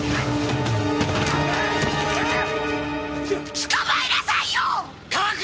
捕まえなさいよ！！確保！